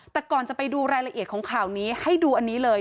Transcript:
แต่ก่อนจะไปดูรายละเอียดของข่าวนี้ให้ดูอันนี้เลย